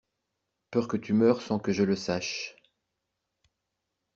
Peur que tu meures sans que je le sache.